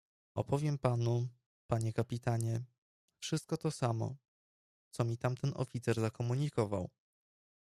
"Opowiem panu, panie kapitanie, wszystko to samo, co mi tamten oficer zakomunikował."